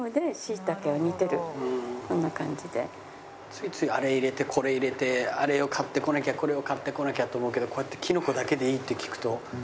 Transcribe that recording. ついついあれ入れてこれ入れてあれを買ってこなきゃこれを買ってこなきゃって思うけどこうやってキノコだけでいいって聞くと。